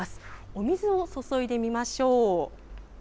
お水を注いでみましょう。